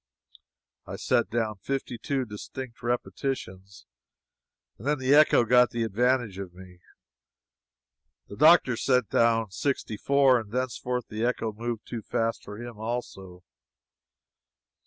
I set down fifty two distinct repetitions, and then the echo got the advantage of me. The doctor set down sixty four, and thenceforth the echo moved too fast for him, also.